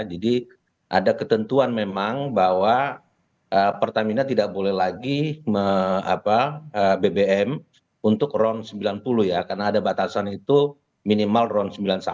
jadi ada ketentuan memang bahwa pertamina tidak boleh lagi bbm untuk ron sembilan puluh ya karena ada batasan itu minimal ron sembilan puluh satu